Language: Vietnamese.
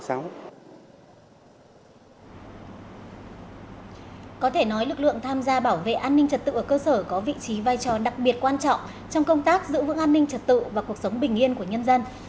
có thể nói lực lượng tham gia bảo vệ an ninh trật tự ở cơ sở có vị trí vai trò đặc biệt quan trọng trong công tác giữ vững an ninh trật tự và cuộc sống bình yên của nhân dân